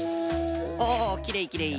おおきれいきれい。